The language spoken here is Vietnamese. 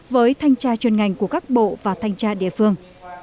với thanh tra chuyên ngành của các bộ và thanh tra địa phương